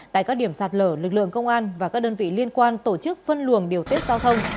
tại các điểm sạt lở lực lượng công an và các đơn vị liên quan tổ chức phân luồng điều tiết giao thông